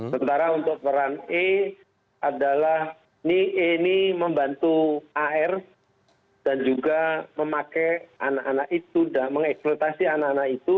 sementara untuk peran e adalah ini membantu ar dan juga memakai anak anak itu dan mengeksploitasi anak anak itu